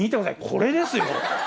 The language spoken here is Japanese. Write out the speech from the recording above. これですよ。